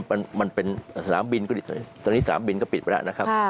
เพราะมันเป็นสถานบินตอนนี้สถานบินก็ปิดไปแล้วนะครับ